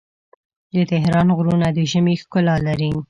د تهران غرونه د ژمي ښکلا لري.